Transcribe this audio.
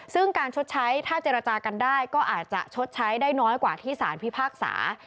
ซึ่งการชดใช้ถ้าเจรจากันได้ก็อาจจะชดใช้ได้น้อยกว่าที่สารพิพากษา